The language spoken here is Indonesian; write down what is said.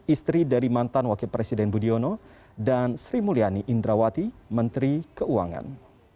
istri dari mantan wakil presiden budiono dan sri mulyani indrawati menteri keuangan